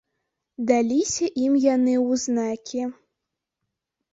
Даліся ім яны ў знакі.